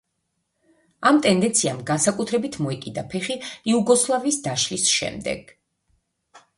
ამ ტენდენციამ განსაკუთრებით მოიკიდა ფეხი იუგოსლავიის დაშლის შემდეგ.